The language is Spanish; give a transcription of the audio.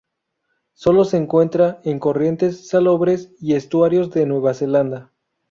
Solo se encuentra en corrientes salobres y estuarios de Nueva Zelanda.